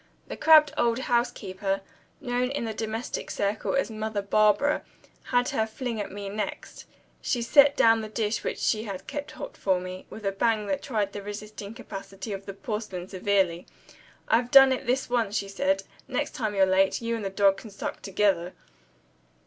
The crabbed old housekeeper (known in the domestic circle as Mother Barbara) had her fling at me next. She set down the dish which she had kept hot for me, with a bang that tried the resisting capacity of the porcelain severely. "I've done it this once," she said. "Next time you're late, you and the dog can sup together."